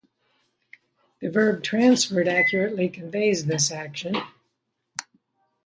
The verb "transferred" accurately conveys this action.